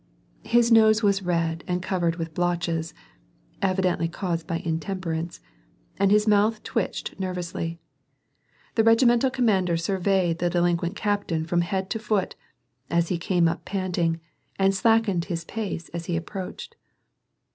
His nose was red and covered with blotches (evi dently caused by intemperance) and his mouth twitched nervously. The regimental commander surveyed the delin quent captain from head to foot, as he came up panting, and slackening his pace as he approached.